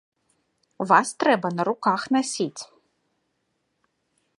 Вас трэба на руках насіць.